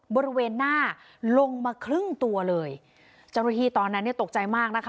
บริเวณหน้าลงมาครึ่งตัวเลยเจ้าหน้าที่ตอนนั้นเนี่ยตกใจมากนะคะ